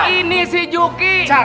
ini si juki